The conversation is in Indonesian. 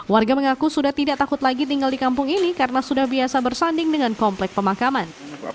warga mengaku sudah tidak takut lagi tinggal di kampung ini karena sudah biasa bersanding dengan komplek pemakaman